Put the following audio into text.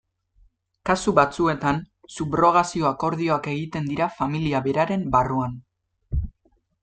Kasu batzuetan, subrogazio-akordioak egiten dira familia beraren barruan.